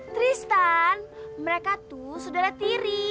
tristan mereka tuh saudara tiri